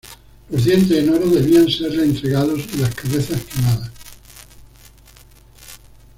Los dientes en oro debían serle entregados y las cabezas quemadas.